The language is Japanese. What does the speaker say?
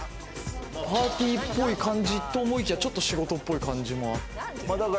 パーティーっぽい感じと思いきやちょっと仕事っぽい感じもあって。